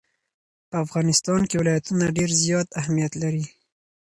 په افغانستان کې ولایتونه ډېر زیات اهمیت لري.